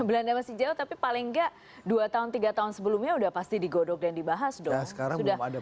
belanda masih jauh tapi paling nggak dua tahun tiga tahun sebelumnya sudah pasti digodok dan dibahas dong